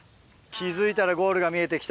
気付いたらゴールが見えてきた。